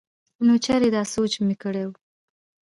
نو چرې دا سوچ مو کړے